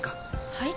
はい？